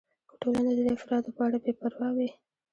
که ټولنه د دې افرادو په اړه بې پروا وي.